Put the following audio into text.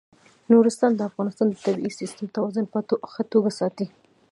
نورستان د افغانستان د طبعي سیسټم توازن په ښه توګه ساتي.